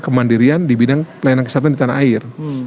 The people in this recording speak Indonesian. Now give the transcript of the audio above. kemandirian di bidang pelayanan kesehatan di tanah air